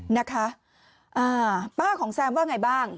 นะคะอ่าป้าของแซมว่าไงบ้าง